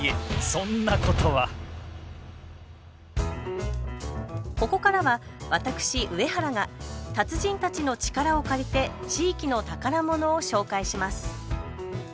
そんなことはここからは私上原が達人たちの力を借りて地域の宝物を紹介します。